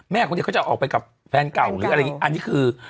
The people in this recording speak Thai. คนเดียวเขาจะออกไปกับแฟนเก่าหรืออะไรอย่างนี้อันนี้คือ